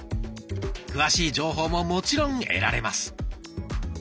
詳しい情報ももちろん得られます。